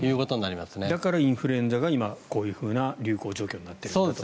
だからインフルエンザが今、こういう流行状況になっていると。